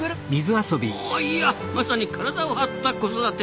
いやあまさに体を張った子育て。